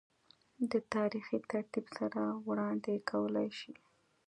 دَ تاريخي ترتيب سره وړاند ې کولے شي